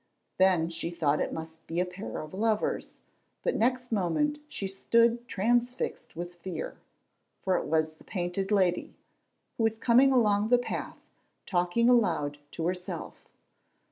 Then she thought it must be a pair of lovers, but next moment she stood transfixed with fear, for it was the Painted Lady, who was coming along the path talking aloud to herself.